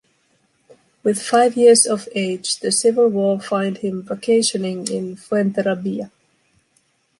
With five years of age, the civil war find him vacationing in Fuenterrabía.